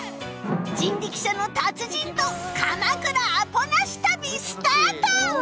人力車の達人と鎌倉アポなし旅スタート